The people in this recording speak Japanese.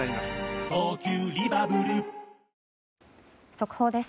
速報です。